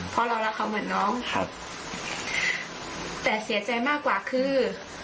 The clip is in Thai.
เพราะเรารักเขาเหมือนน้องครับแต่เสียใจมากกว่าคือ